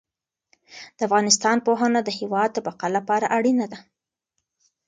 د افغانستان پوهنه د هېواد د بقا لپاره اړینه ده.